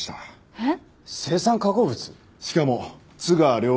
えっ？